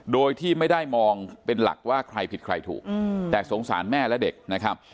โดยที่ไม่ได้มองเป็นหลักว่าใครผิดใครถูกแต่สงสารแม่และเด็กนะครับ